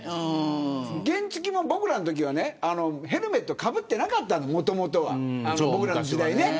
原付も僕らのころはヘルメットかぶってなかったのもともとは、僕らの時代ね。